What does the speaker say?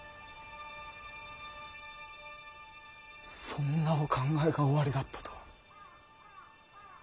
そんなお考えがおありだったとは。